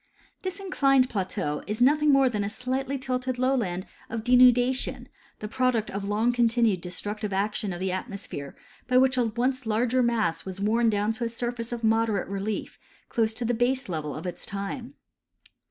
This inclined plateau is nothing more than a slightly tilted lowland of denudation, the product of long continued destructive action of the atmosphere by which a once larger mass was worn down to a surface of moderate relief close to the baselevel of its time.